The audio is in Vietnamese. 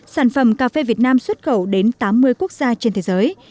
sản phẩm cà phê việt nam xuất khẩu đến tám mươi quốc gia trên thế giới